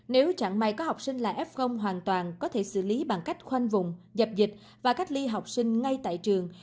nếu chẳng may có học sinh là f hoàn toàn có thể xử lý bằng cách khoanh vùng dập dịch và cách ly học sinh ngay tại trường